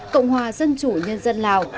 cộng hòa dân chủ nhân dân lào